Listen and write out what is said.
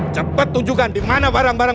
cepat tunjukkan di mana barang barang